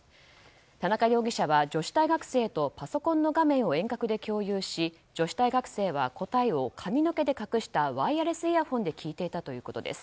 田中容疑者は、女子大学生とパソコンの画面を遠隔で共有し女子大学生は、答えを髪の毛で隠したワイヤレスイヤホンで聞いていたということです。